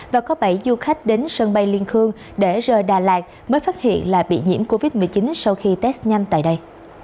và có bảy du khách đến sân bay liên khương để rời đà lạt mới phát hiện là bị nhiễm covid một mươi chín sau khi test nhanh tại đây